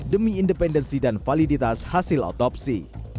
demi independensi dan validitas hasil otopsi